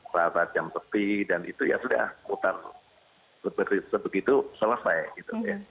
pada jam peti dan itu ya sudah hutan berberi sebegitu selesai